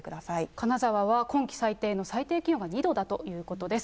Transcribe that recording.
金沢は今季最低の最低気温が２度だということです。